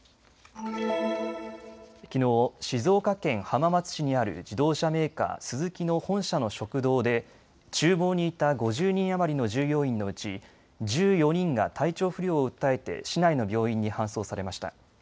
きのう、静岡県浜松市にある自動車メーカー、スズキの本社の食堂でちゅう房にいた５０人余りの従業員のうち１４人が体調不良を訴えて市内の病院に搬送されました。